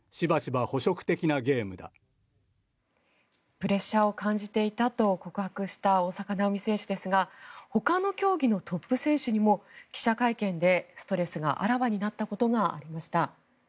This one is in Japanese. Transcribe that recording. プレッシャーを感じていたと告白した大坂なおみ選手ですがほかの競技のトップ選手にも記者会見でストレスがあらわになったことがありました。